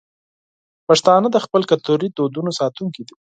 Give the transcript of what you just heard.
پښتانه د خپلو کلتوري دودونو ساتونکي دي.